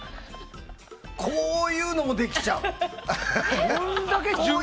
こういうのもできちゃう。